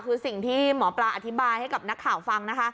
คือสิ่งที่หมอปลาอธิบายให้กับนักข่าวฟังนะคะ